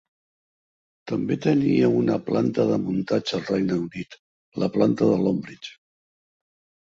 També tenia una planta de muntatge al Regne Unit, la planta Longbridge.